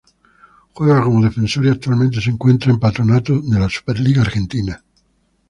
Juega como defensor y actualmente se encuentra en Patronato de la Superliga Argentina.